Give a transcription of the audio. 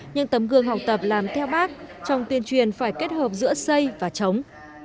nhưng tấm gương học tập làm theo bác trong tuyên truyền phải kết hợp giữa xây và chống